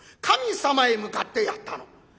神様へ向かってやったの。